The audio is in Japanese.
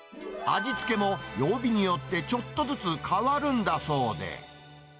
味付けも曜日によってちょっとずつ変わるんだそうで。